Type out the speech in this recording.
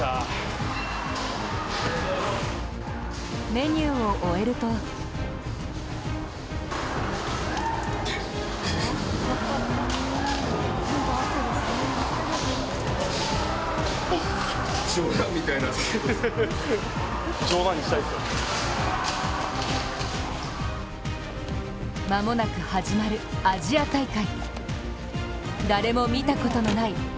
メニューを終えると間もなく始まるアジア大会。